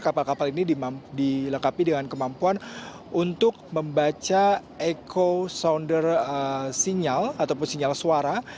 kapal kapal ini dilengkapi dengan kemampuan untuk membaca eco sounder sinyal ataupun sinyal suara